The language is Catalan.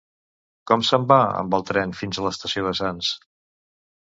Com se'n va amb el tren fins a l'estació de Sants?